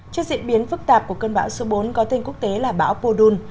trên diễn biến phức tạp của cơn bão số bốn có tên quốc tế là bão pô đun